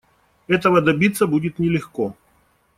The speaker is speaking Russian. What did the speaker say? Этого добиться будет нелегко.